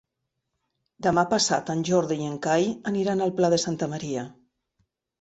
Demà passat en Jordi i en Cai aniran al Pla de Santa Maria.